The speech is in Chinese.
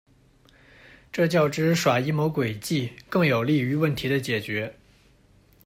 这较之耍阴谋诡计更有利于问题的解决。